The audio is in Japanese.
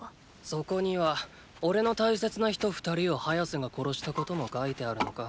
そこにはおれの大切な人二人をハヤセが殺したことも書いてあるのか？